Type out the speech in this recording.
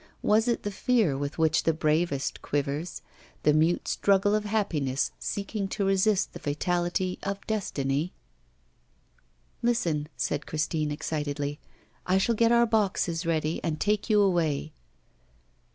Was it the fear with which the bravest quivers, the mute struggle of happiness seeking to resist the fatality of destiny? 'Listen,' said Christine, excitedly. 'I shall get our boxes ready, and take you away.